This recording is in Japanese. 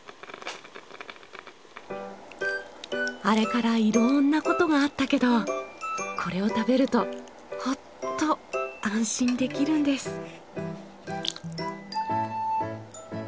あれから色んな事があったけどこれを食べるとほっと安心できるんです。